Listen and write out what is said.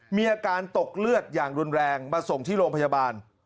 มีอาการตกเลือดอย่างรุนแรงมาส่งที่โรงพยาบาล